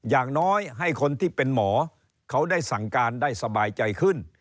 อย่างน้อยให้คนที่เป็นหมอเขาได้สั่งการได้สบายใจขึ้น